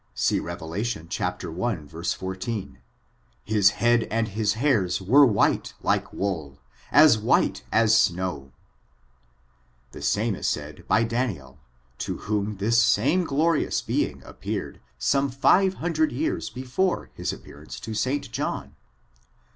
See Rev. i, 14: "His head and his hairs were white like wool, as white as snowJ^ The same is said by Daniel, to whom this same glorious being appeared, some five hundred years before his appearance to St. John.